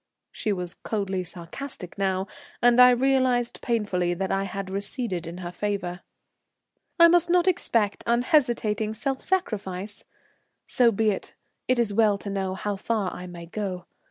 She was coldly sarcastic now, and I realized painfully that I had receded in her favour. "I must not expect unhesitating self sacrifice? So be it; it is well to know how far I may go.